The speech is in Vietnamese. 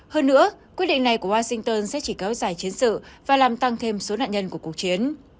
hơn nữa quyết định này của washington sẽ chỉ kéo dài chiến sự và làm tăng thêm số nạn nhân của cuộc chiến